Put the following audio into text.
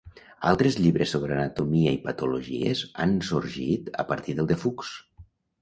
Altres llibres sobre anatomia i patologies han sorgit a partir del de Fuchs.